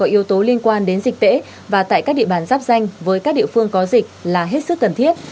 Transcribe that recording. yếu tố liên quan đến dịch tễ và tại các địa bàn giáp danh với các địa phương có dịch là hết sức cần thiết